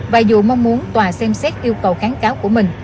và dù mong muốn tòa xem xét yêu cầu kháng cáo của mình